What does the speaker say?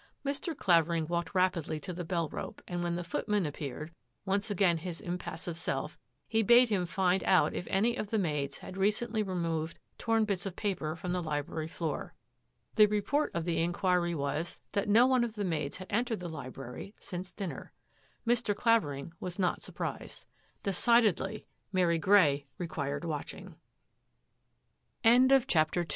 Mr. Clavering walked rapidly to the bell rope, and when the footman appeared, once again his impassive self, he bade him find out if any of the m€dds had recently removed torn bits of paper from the library floor. Tjie report of the inquiry I 16 THAT AFFAIR AT THE MANOI was that no one of the maids had entered brary since dinner. Mr. Clavering was not surprised. De< Mary Grey required watching.